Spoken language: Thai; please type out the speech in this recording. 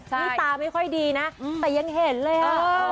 นี่ตาไม่ค่อยดีนะแต่ยังเห็นเลย